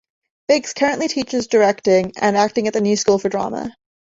Biggs currently teaches directing and acting at The New School for Drama.